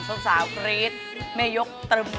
ส้มสาวกรีดไม่ยกตรึม